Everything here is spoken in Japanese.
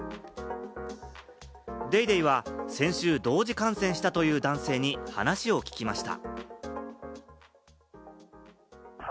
『ＤａｙＤａｙ．』は先週、同時感染したという男性に話を聞きました。